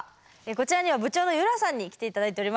こちらには部長のゆらさんに来て頂いております。